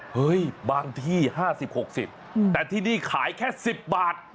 บางที่๕๐๖๐แต่ที่นี่ขายแค่๑๐บาท